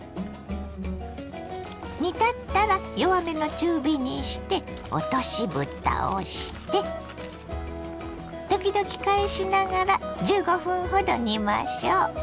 煮立ったら弱めの中火にして落としぶたをして時々返しながら１５分ほど煮ましょ。